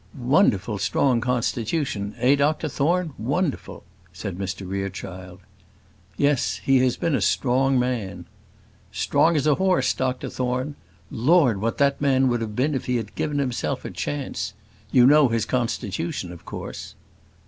"Wonderful strong constitution eh, Dr Thorne? wonderful!" said Mr Rerechild. "Yes; he has been a strong man." "Strong as a horse, Dr Thorne. Lord, what that man would have been if he had given himself a chance! You know his constitution of course."